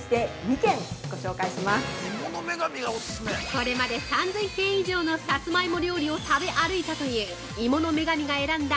◆これまで３０００軒以上のさつまいも料理を食べ歩いたという「芋の女神」が選んだ